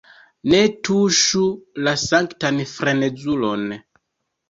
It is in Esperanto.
Ne tuŝu la sanktan frenezulon!